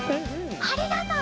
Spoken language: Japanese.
ありがとう！